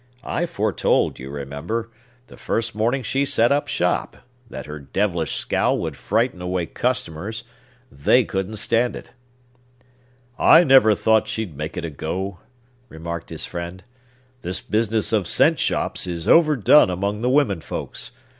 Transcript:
I foretold, you remember, the first morning she set up shop, that her devilish scowl would frighten away customers. They couldn't stand it!" "I never thought she'd make it go," remarked his friend. "This business of cent shops is overdone among the women folks.